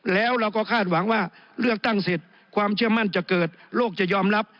แล้วเราก็คาดหวังว่าเลือกตั้งเสร็จความเชื่อมั่นจะเกิดโลกจะยอมรับ